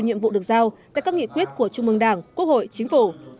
nhiệm vụ được giao tại các nghị quyết của trung mương đảng quốc hội chính phủ